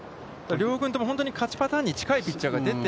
両軍とも、本当に勝ちパターンに近いピッチャーが出て。